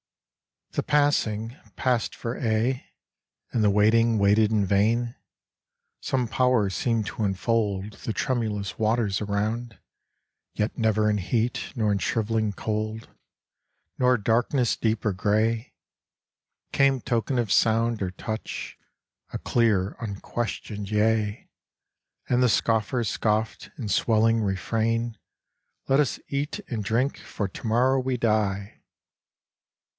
"The passing Passed for aye, And the waiting Waited in vain! Some power seemed to enfold The tremulous waters around, Yet never in heat Nor in shrivelling cold, Nor darkness deep or grey, Came token of sound or touch, A clear unquestioned 'Yea!' And the scoffers scoffed, In swelling refrain, 'Let us eat and drink, For to morrow we die.'